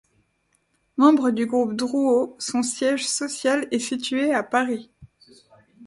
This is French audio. Membre du groupe Drouot, son siège social est situé à Paris.